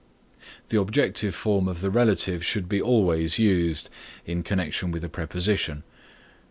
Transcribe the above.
The objective form of the Relative should be always used, in connection with a preposition.